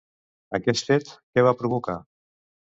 Aquest fet, què va provocar?